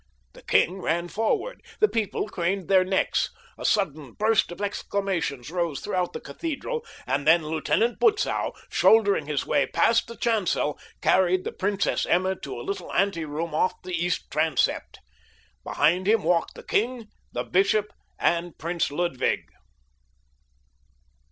The king ran forward. The people craned their necks. A sudden burst of exclamations rose throughout the cathedral, and then Lieutenant Butzow, shouldering his way past the chancel, carried the Princess Emma to a little anteroom off the east transept. Behind him walked the king, the bishop, and Prince Ludwig.